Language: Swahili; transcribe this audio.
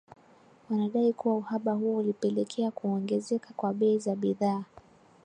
Wanadai kuwa uhaba huo ulipelekea kuongezeka kwa bei za bidhaa